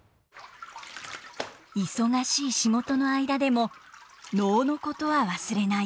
忙しい仕事の間でも能のことは忘れない。